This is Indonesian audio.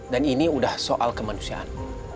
dan ini udah soal kemanusiaan